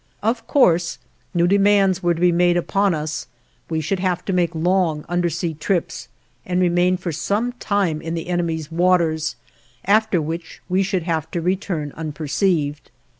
Of course, new demands were to be made upon us; we should have to make long undersea trips, and remain for some time in the enemy's waters, after which we should have to return unperceived.